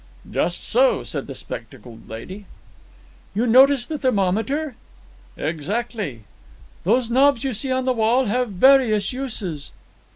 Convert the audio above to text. "Just so," said the spectacled lady. "You notice the thermometer." "Exactly." "Those knobs you see on the wall have various uses."